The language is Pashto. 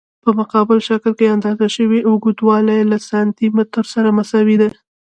په مقابل شکل کې اندازه شوی اوږدوالی له سانتي مترو سره مساوي دی.